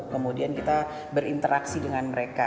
kemudian kita berinteraksi dengan mereka